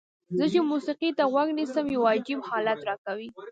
زه چې موسیقۍ ته غوږ نیسم یو عجیب حالت راکوي.